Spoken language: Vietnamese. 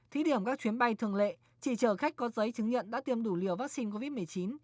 thí điểm các chuyến bay thường lệ chỉ chở khách có giấy chứng nhận đã tiêm đủ liều vaccine covid một mươi chín